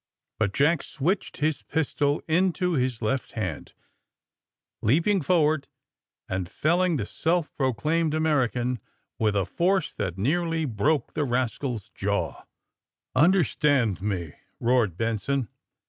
But Jack switched his pistol into his left hand, leaping forward and felling the self proclaimed American with a force that nearly broke the rascal's jaw. 128 THE SUBMARINE BOYS *^ Understand me!''^ roared Benson.